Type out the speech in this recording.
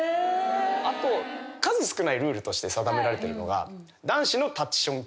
あと数少ないルールとして定められてるのがあ！